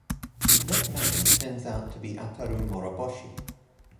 That man turns out to be Ataru Moroboshi.